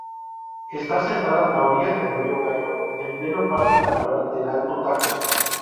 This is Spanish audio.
Está asentada a orillas del río Gallo, en pleno parque natural del Alto Tajo.